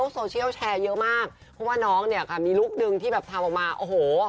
โซเชียลแชร์เยอะมากเพราะว่าน้องเนี่ยค่ะมีลุคนึงที่แบบทำออกมาโอ้โห